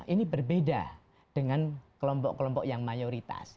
ini berbeda dengan kelompok kelompok yang mayoritas